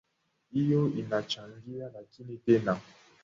hiyo inachangia lakini tena